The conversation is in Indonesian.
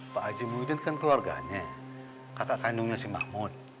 pak haji mujid kan keluarganya kakak kandungnya si mahmud